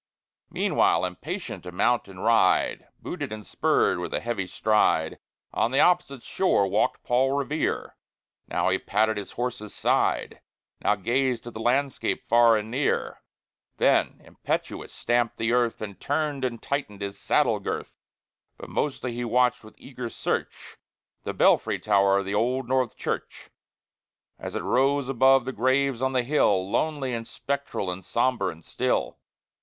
Meanwhile, impatient to mount and ride, Booted and spurred, with a heavy stride On the opposite shore walked Paul Revere. Now he patted his horse's side, Now gazed at the landscape far and near, Then, impetuous, stamped the earth, And turned and tightened his saddle girth; But mostly he watched with eager search The belfry tower of the Old North Church, As it rose above the graves on the hill, Lonely and spectral and sombre and still.